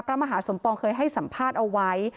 พระมหาสมปองเคยให้สัมภาษณ์เอาไว้